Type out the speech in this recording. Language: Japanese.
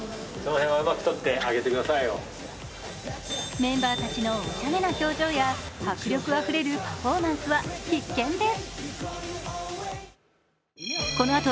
メンバーたちのおちゃめな表情や迫力あふれるパフォーマンスは必見です。